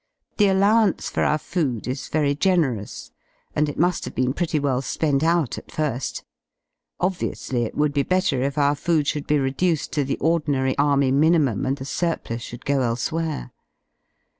The allowance for our food is very generous, and it mu^ have been pretty well spent out at fir^: obviously it would be better if our food should be reduced to the ordinary Army minimum and the surplus should go elsewhere.